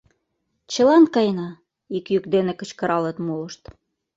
— Чылан каена! — ик йӱк дене кычкыралыт молышт.